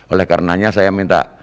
oleh karenanya saya minta